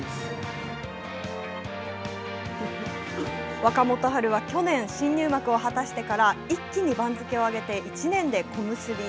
若元春は去年、新入幕を果たしてから、一気に番付を上げて、１年で小結に。